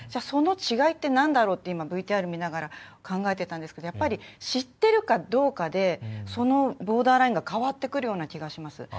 その違いってなんだろうってＶＴＲ見ながら考えてたんですけどやっぱり、知ってるかどうかでボーダーラインが変わってくる気がします。